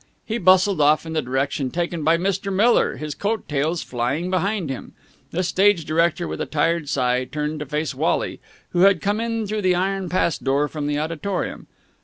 He bustled off in the direction taken by Mr. Miller, his coat tails flying behind him. The stage director, with a tired sigh, turned to face Wally, who had come in through the iron pass door from the auditorium.